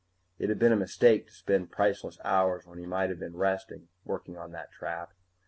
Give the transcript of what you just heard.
It had been a mistake to spend priceless hours when he might have been resting working on that trap.